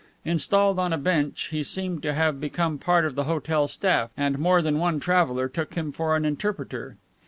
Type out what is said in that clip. Installed on a bench, he seemed to have become part of the hotel staff, and more than one traveler took him for an interpreter.